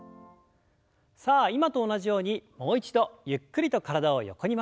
さあ今と同じようにもう一度ゆっくりと体を横に曲げていきます。